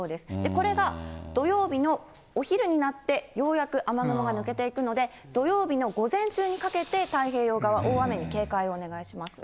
これが土曜日のお昼になって、ようやく雨雲が抜けていくので、土曜日の午前中にかけて、太平洋側、大雨に警戒をお願いします。